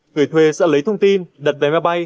người thuê sẽ lấy thông tin đặt vé máy bay